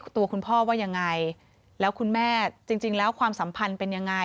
ตัวคุณพ่อว่ายังไงแล้วคุณแม่จริงแล้วความสัมพันธ์เป็นยังไง